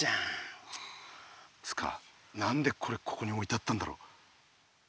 つか何でこれここにおいてあったんだろ。